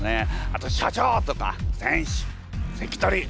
あと社長とか選手関取！